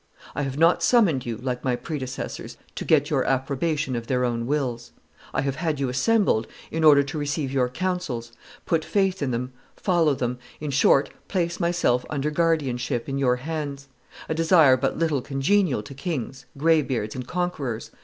I have not summoned you, like my predecessors, to get your approbation of their own wills. I have had you assembled in order to receive your counsels, put faith in them, follow them, in short, place myself under guardianship in your hands; a desire but little congenial to kings, graybeards, and conquerors.